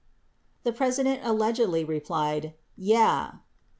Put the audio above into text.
." The President allegedly replied, "Yeah."